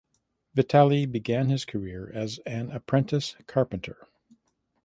Vitali began his career as an apprentice carpenter.